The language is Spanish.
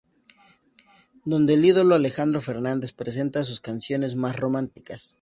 Donde el ídolo Alejandro Fernández presenta sus canciones más románticas.